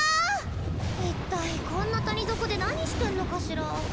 一体こんな谷底で何してんのかしら？